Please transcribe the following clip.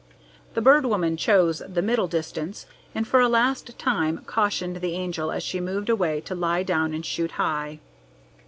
The Bird Woman chose the middle distance, and for a last time cautioned the Angel as she moved away to lie down and shoot high.